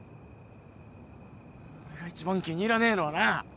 俺が一番気に入らねえのはな